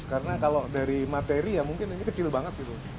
karena kalau dari materi ya mungkin ini kecil banget gitu